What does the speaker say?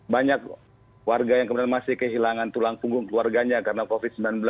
banyak warga yang kemudian masih kehilangan tulang punggung keluarganya karena covid sembilan belas